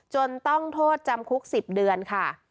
จนต้องโทษจำคุก๑๐เดือนค่ะ